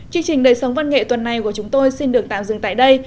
chương trình đời sống văn nghệ tuần này của chúng tôi xin được tạm dừng tại đây